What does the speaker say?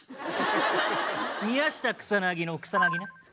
宮下草薙の草薙な。